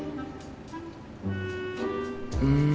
うん。